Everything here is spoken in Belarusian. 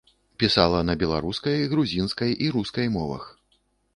Пісала на беларускай, грузінскай і рускай мовах.